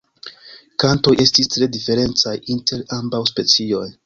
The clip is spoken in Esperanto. Kantoj estis tre diferencaj inter ambaŭ specioj.